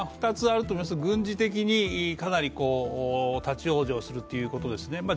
２つあると思います、軍事的にかなり立往生するということですね。